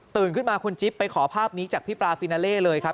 ขึ้นมาคุณจิ๊บไปขอภาพนี้จากพี่ปลาฟินาเล่เลยครับ